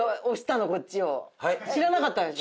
知らなかったでしょ。